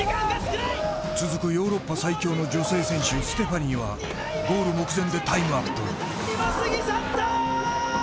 続くヨーロッパ最強の女性選手、ステファニーはゴール目前でタイムアップ。